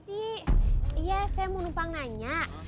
ini sih ya saya mau numpang nanya